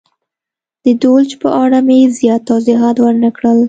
د دولچ په اړه مې زیات توضیحات ور نه کړل.